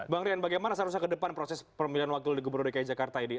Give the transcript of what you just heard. bang rian bagaimana seharusnya ke depan proses pemilihan wakil gubernur dki jakarta ini